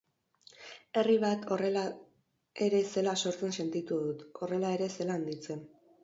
Herri bat horrela ere zela sortzen sentitu dut, horrela ere zela handitzen.